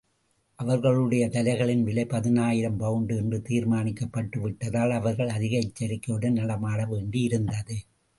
அவர்களுடைய தலைகளின் விலை பதினாயிரம் பவுண்டு என்று தீர்மானிக்கப்பட்டு விட்டதால், அவர்கள் அதிக எச்சரிகையுடன் நடமாட வேண்டியிருந்தது.